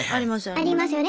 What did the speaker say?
ありますよね。